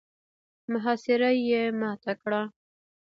محاصره يې ماته کړه.